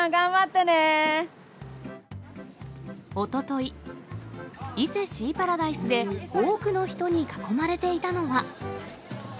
おととい、伊勢シーパラダイスで多くの人に囲まれていたのは。